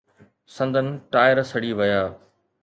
سندن ٽائر سڙي ويا.